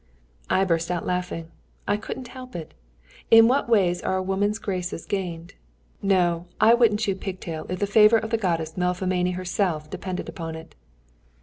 I burst out laughing; I couldn't help it. In what ways are a woman's graces gained! No, I wouldn't chew pigtail if the favour of the Goddess Melpomene herself depended on it.